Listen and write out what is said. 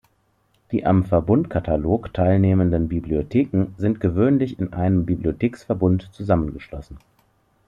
Die am Verbundkatalog teilnehmenden Bibliotheken sind gewöhnlich in einem Bibliotheksverbund zusammengeschlossen.